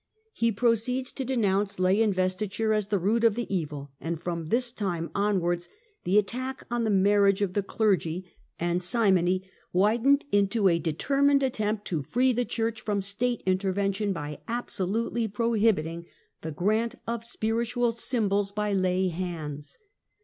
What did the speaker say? He proceeds to denounce lay investiture as the root of the evil, and from this time onwards the attack on the marriage of the clergy and simony widened into a determined attempt to free the Church from State intervention by absolutely prohibiting the grant of spiritual symbols by lay hands.